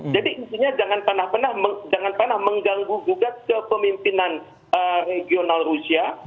jadi intinya jangan pernah pernah mengganggu juga kepemimpinan regional rusia